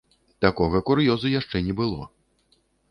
Такога кур'ёзу яшчэ не было.